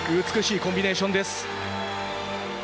美しいコンビネーションです。